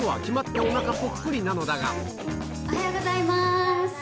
おはようございます。